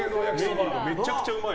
めちゃくちゃうまい。